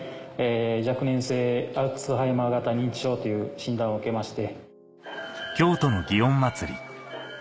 若年性アルツハイマー型認知症という診断を受けまして。